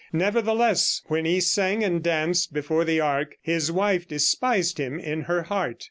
Nevertheless when he sang and danced before the ark his wife despised him in her heart.